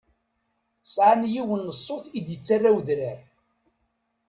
Sɛant yiwen n ṣṣut i d-yettarra udrar.